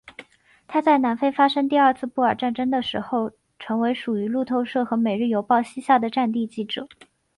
他在南非发生第二次布尔战争的时候成为属于路透社和每日邮报膝下的战地记者。